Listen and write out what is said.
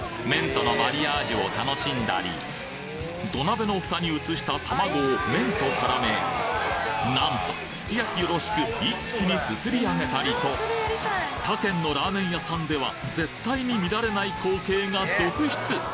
麺とのマリアージュを楽しんだり土鍋のフタに移した卵を麺と絡めなんとすき焼きよろしく一気にすすりあげたりと他県のラーメン屋さんでは絶対に見られない光景が続出！